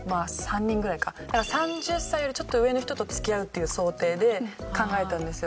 だから３０歳よりちょっと上の人と付き合うっていう想定で考えたんですよ。